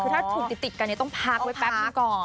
คือถ้าถูกติดกันต้องพักไว้แป๊บนึงก่อน